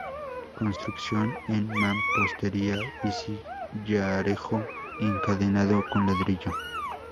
Construcción en mampostería y sillarejo encadenado con ladrillo.